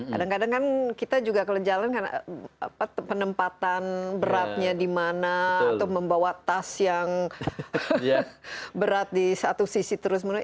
kadang kadang kan kita juga kalau jalan karena penempatan beratnya di mana atau membawa tas yang berat di satu sisi terus menerus